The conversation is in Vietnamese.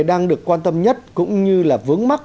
đang được quan tâm nhất cũng như là vướng mắt